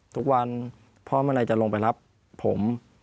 ทุกวันพ่อเมื่อไหร่จะลงไปรับผม